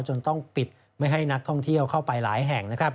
จนต้องปิดไม่ให้นักท่องเที่ยวเข้าไปหลายแห่ง